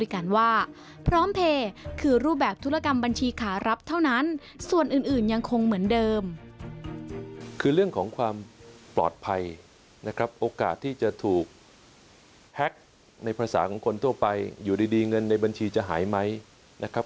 คือเรื่องของความปลอดภัยนะครับโอกาสที่จะถูกแฮ็กในภาษาของคนทั่วไปอยู่ดีเงินในบัญชีจะหายไหมนะครับ